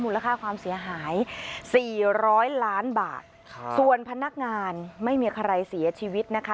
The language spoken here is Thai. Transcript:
ค่าความเสียหายสี่ร้อยล้านบาทส่วนพนักงานไม่มีใครเสียชีวิตนะคะ